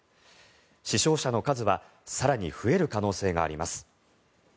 死傷者の数は更に増える可能性があります。